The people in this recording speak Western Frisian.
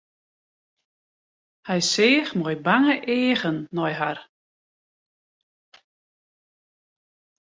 Hy seach mei bange eagen nei har.